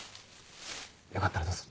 よかったらどうぞ。